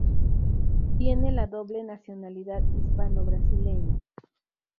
Tiene la doble nacionalidad hispano-brasileña.